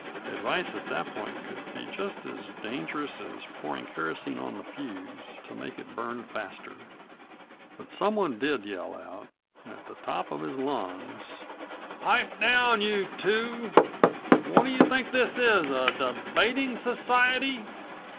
Advice at that point could be just as dangerous as pouring kerosene on the fuse, to make it burn faster. But someone did yell out, at the top of his lungs. "Pipe down, you two! What do you think this is, a debating society?"